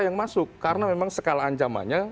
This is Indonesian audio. yang masuk karena memang skala ancamannya